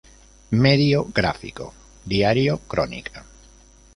Medio gráfico: Diario Crónica.